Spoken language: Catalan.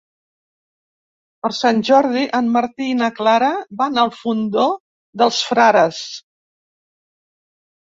Per Sant Jordi en Martí i na Clara van al Fondó dels Frares.